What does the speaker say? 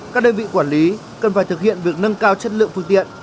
các đơn vị quản lý cần phải thực hiện việc nâng cao chất lượng phương tiện